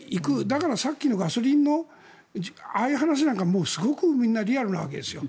だから、さっきのガソリンのああいう話なんかもうすごくみんなリアルなわけですよ。